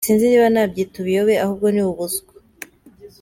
Sinzi niba nabyita ubuyobe ahubwo ni ubuswa”.